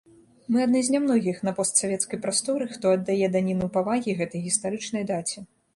Мы адны з нямногіх на постсавецкай прасторы, хто аддае даніну павагі гэтай гістарычнай даце.